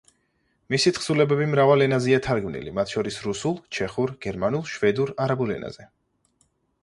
მისი თხზულებები მრავალ ენაზეა თარგმნილი, მათ შორის რუსულ, ჩეხურ, გერმანულ, შვედურ, არაბულ ენებზე.